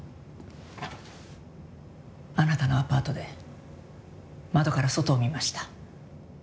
あなたのアパートで窓から外を見ました。